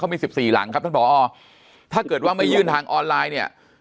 มี๑๔หลังครับท่านผอถ้าเกิดว่าไม่ยื่นทางออนไลน์เนี่ย